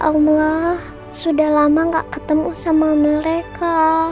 allah sudah lama gak ketemu sama mereka